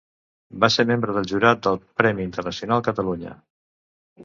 Va ser membre del jurat del Premi Internacional Catalunya.